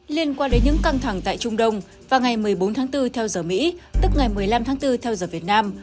liên quan đến những căng thẳng tại trung đông vào ngày một mươi bốn tháng bốn theo giờ mỹ tức ngày một mươi năm tháng bốn theo giờ việt nam